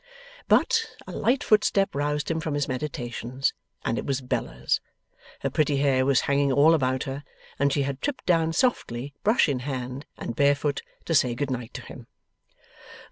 But, a light footstep roused him from his meditations, and it was Bella's. Her pretty hair was hanging all about her, and she had tripped down softly, brush in hand, and barefoot, to say good night to him.